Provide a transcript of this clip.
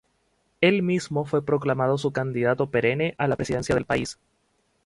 Él mismo fue proclamado su candidato perenne a la presidencia del país.